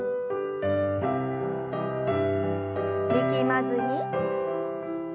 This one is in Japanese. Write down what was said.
力まずに。